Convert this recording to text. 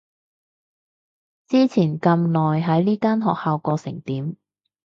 之前咁耐喺呢間學校過成點？